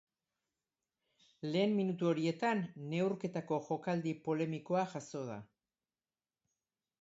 Lehen minutu horietan neurketako jokaldi polemikoa jazo da.